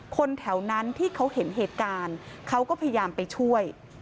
คนแถวนั้นที่เขาเห็นเหตุการณ์เขาก็พยายามไปช่วย